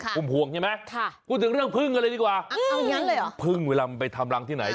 คุณห่วงใช่ไหมพูดถึงเรื่องพึ่งกันเลยดีกว่าพึ่งเวลามันไปทำรังที่ไหน